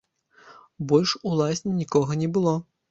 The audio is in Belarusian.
Больш у лазні нікога не было.